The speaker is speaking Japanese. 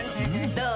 どう？